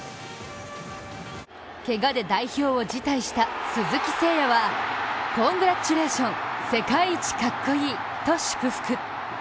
けがで代表を辞退した鈴木誠也はコングラチュレーション、世界一かっこいいと祝福。